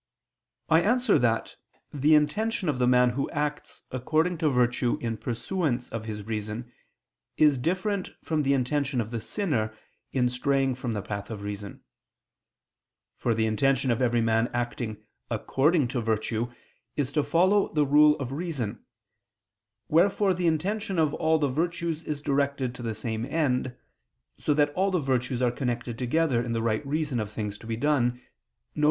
I answer that, The intention of the man who acts according to virtue in pursuance of his reason, is different from the intention of the sinner in straying from the path of reason. For the intention of every man acting according to virtue is to follow the rule of reason, wherefore the intention of all the virtues is directed to the same end, so that all the virtues are connected together in the right reason of things to be done, viz.